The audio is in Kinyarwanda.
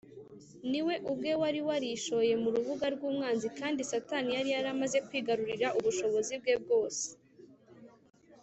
ni we ubwe wari warishoye mu rubuga rw’umwanzi kandi satani yari yaramaze kwigarurira ubushobozi bwe bwose